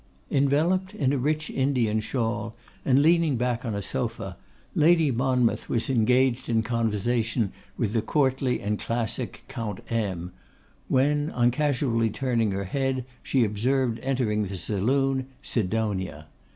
Enveloped in a rich Indian shawl, and leaning back on a sofa, Lady Monmouth was engaged in conversation with the courtly and classic Count M é, when, on casually turning her head, she observed entering the saloon, Sidonia.